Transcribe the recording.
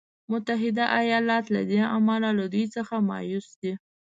متحده ایالات له دې امله له دوی څخه مایوس دی.